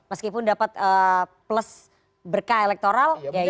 meskipun dapat plus berkah elektoral ya itu belakang